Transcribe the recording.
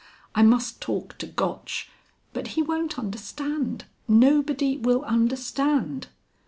I must talk to Gotch.... But he won't understand. Nobody will understand...."